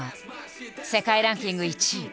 世界ランキング１位。